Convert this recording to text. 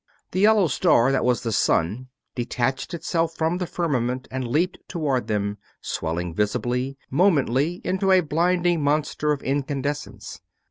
The yellow star that was the sun detached itself from the firmament and leaped toward them, swelling visibly, momently, into a blinding monster of incandescence.